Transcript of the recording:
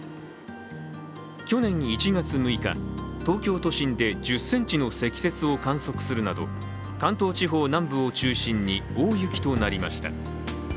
去年１月６日、東京都心で１０ｃｍの積雪を観測するなど関東地方南部を中心に大雪となりました。